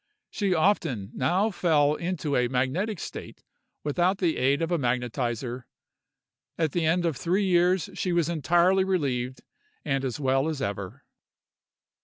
She often now fell into a magnetic state without the aid of a magnetizer. At the end of three years she was entirely relieved and as well as ever.